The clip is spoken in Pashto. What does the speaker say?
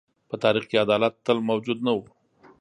په تاریخ کې عدالت تل موجود نه و.